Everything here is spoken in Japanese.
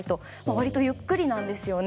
割とゆっくりなんですよね。